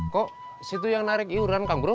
kok situ yang narik iuran kang bro